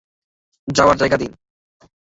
যাওয়ার জায়গা দিন!